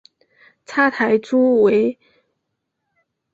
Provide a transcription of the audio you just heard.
叉苔蛛为皿蛛科苔蛛属的动物。